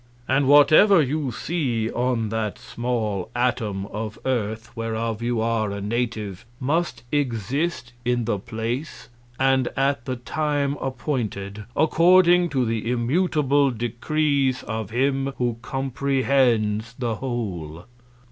And whatever you see on that small Atom of Earth, whereof you are a Native, must exist in the Place, and at the Time appointed, according to the immutable Decrees of him who comprehends the Whole.